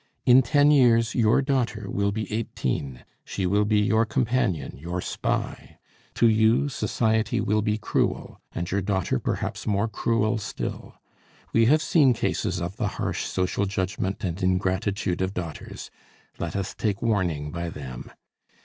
In ten years your daughter will be eighteen; she will be your companion, your spy. To you society will be cruel, and your daughter perhaps more cruel still. We have seen cases of the harsh social judgment and ingratitude of daughters; let us take warning by them.